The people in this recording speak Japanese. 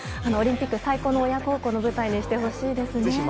オリンピック最高の親孝行の舞台にしてほしいですね。